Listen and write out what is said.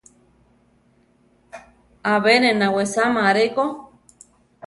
Abe ne nawesama areko.